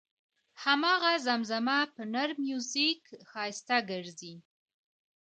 هماغه زمزمه په نر میوزیک ښایسته ګرځي.